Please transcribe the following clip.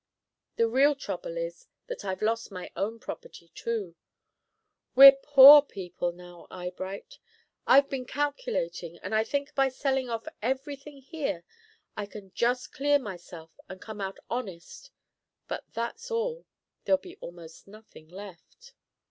The real trouble is that I've lost my own property, too. We're poor people now, Eyebright. I've been calculating, and I think by selling off every thing here I can just clear myself and come out honest but that's all. There'll be almost nothing left."